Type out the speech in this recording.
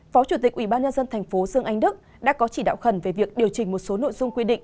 phó chủ tịch ubnd tp dương anh đức đã có chỉ đạo khẩn về việc điều chỉnh một số nội dung quy định